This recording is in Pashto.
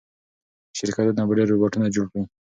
شرکتونه به ډېر روباټونه جوړ کړي.